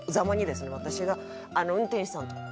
私が「運転手さん」と。